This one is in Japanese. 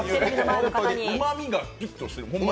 うまみがギュッとしている。